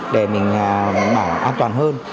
để mình an toàn hơn